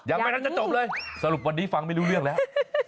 อย่างนั้นจะจบเลยสรุปวันนี้ฟังไม่รู้เรื่องแล้ว